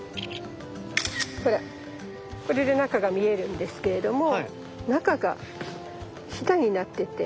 ほらこれで中が見えるんですけれども中がひだになってて。